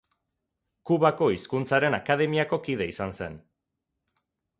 Kubako Hizkuntzaren Akademiako kide izan zen.